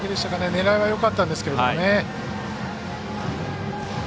狙いはよかったんですけどもね。